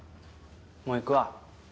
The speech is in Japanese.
もう行くわ。